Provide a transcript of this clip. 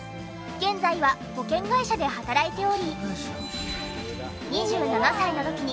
現在は保険会社で働いており。